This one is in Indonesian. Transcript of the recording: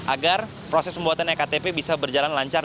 agar proses pembuatan ektp bisa berjalan lancar